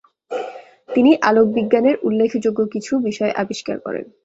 তিনি আলোকবিজ্ঞানের উল্লেখযোগ্য কিছু বিষয় আবিষ্কার করেন।